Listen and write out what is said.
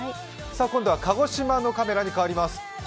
今度は鹿児島のカメラに替わります。